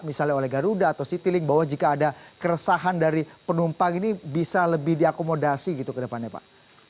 misalnya oleh garuda atau citilink bahwa jika ada keresahan dari penumpang ini bisa lebih diakomodasi gitu ke depannya pak